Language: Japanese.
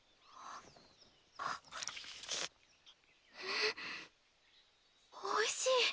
んっおいしい。